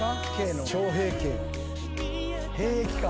兵役か。